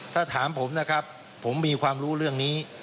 ถ้าถามผมนะครับผมมีความรู้เรื่องนี้